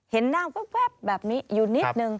เห็นหน้าแว๊บแบบนี้อยู่นิดนึง